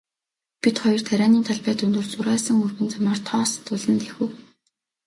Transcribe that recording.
Бид хоёр тарианы талбай дундуур зурайсан өргөн замаар тоос татуулан давхив.